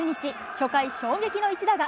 初回、衝撃の一打が。